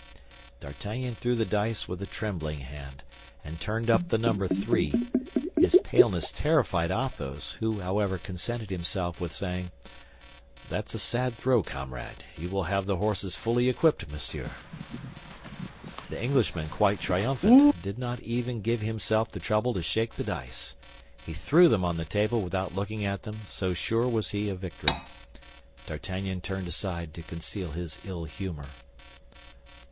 D'Artagnan threw the dice with a trembling hand, and turned up the number three; his paleness terrified Athos, who, however, consented himself with saying, "That's a sad throw, comrade; you will have the horses fully equipped, monsieur." The Englishman, quite triumphant, did not even give himself the trouble to shake the dice. He threw them on the table without looking at them, so sure was he of victory; D'Artagnan turned aside to conceal his ill humor.